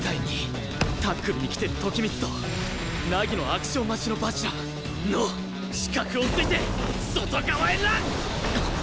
タックルに来てる時光と凪のアクション待ちの蜂楽の死角を突いて外側へラン！